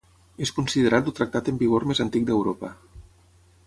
És considerat el tractat en vigor més antic d'Europa.